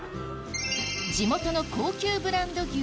地元の高級ブランド牛